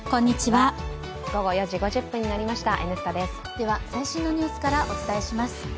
では最新のニュースからお伝えします。